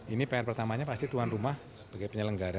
ini pr pertamanya pasti tuan rumah sebagai penyelenggara